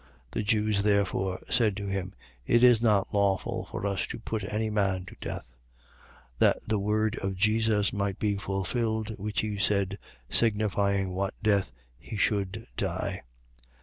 The Jews therefore said to him: It is not lawful for us to put any man to death. 18:32. That the word of Jesus might be fulfilled, which he said, signifying what death he should die.